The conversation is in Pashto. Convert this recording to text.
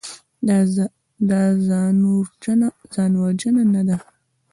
دا ځانوژنه نه ده.